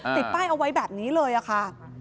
ติดป้ายเอาไว้แบบนี้เลยค่ะ